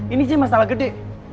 ini sih masalah gede